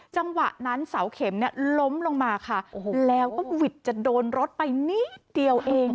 จังหวะนั้นเสาเข็มเนี่ยล้มลงมาค่ะแล้วก็หวิดจะโดนรถไปนิดเดียวเอง